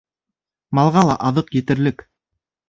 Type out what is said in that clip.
Малға ла аҙыҡ етерлек.